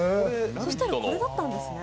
そしたらこれだったんですね。